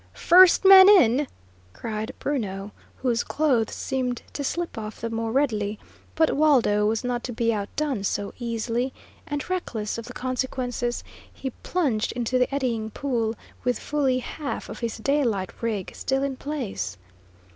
"First man in!" cried Bruno, whose clothes seemed to slip off the more readily; but Waldo was not to be outdone so easily, and, reckless of the consequences, he plunged into the eddying pool, with fully half of his daylight rig still in place.